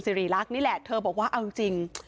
ริรักษ์นี่แหละเธอบอกว่าเอาจริง